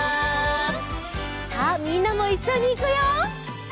さあみんなもいっしょにいくよ！